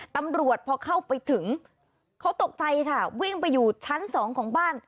ตำรวจพอเข้าไปถึงเขาตกใจค่ะวิ่งไปอยู่ชั้นสองของบ้าน